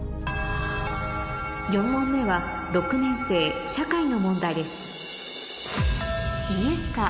４問目は６年生社会の問題です